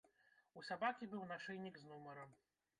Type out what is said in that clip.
У сабакі быў нашыйнік з нумарам.